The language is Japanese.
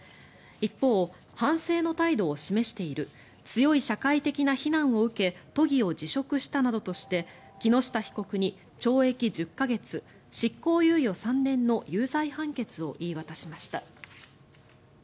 一方、反省の態度を示している強い社会的な非難を受け都議を辞職したなどとして木下被告に懲役１０か月執行猶予３年の有罪判決を言い渡しました。